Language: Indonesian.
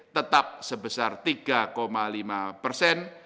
tetap sebesar tiga lima persen